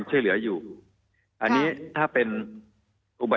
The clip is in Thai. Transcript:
มีความรู้สึกว่ามีความรู้สึกว่า